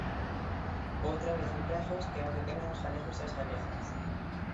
Outra vez empregos, que é o que queren os galegos e as galegas.